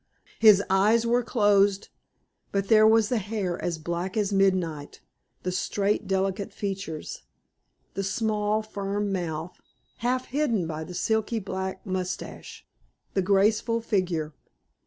His eyes were closed, but there was the hair as black as midnight, the straight, delicate features, the small, firm mouth, half hidden by the silky black mustache, the graceful figure.